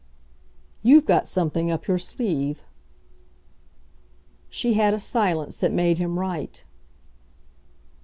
"You've got something up your sleeve." She had a silence that made him right.